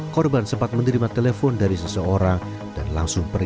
korban sempat menerima telepon dari seseorang dan langsung pergi